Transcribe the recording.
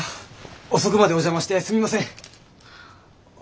遅くまでお邪魔してすみません！